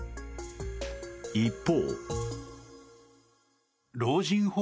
一方。